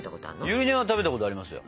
ゆり根は食べたことありますよ。